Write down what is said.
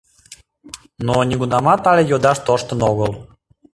Но нигунамат але йодаш тоштын огыл.